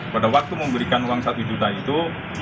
pada waktu memberikan uang rp satu itu